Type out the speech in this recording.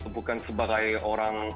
bukan sebagai orang